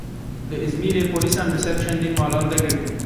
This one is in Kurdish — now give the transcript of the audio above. Li Izmîrê polîsan bi ser çendîn malan de girtin.